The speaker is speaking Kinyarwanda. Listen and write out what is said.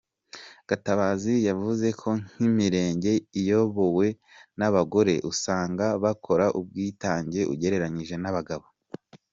Gatabazi yavuze ko nk’Imirenge iyobowe n’abagore usanga bakorana ubwitange ugereranyije n’abagabo.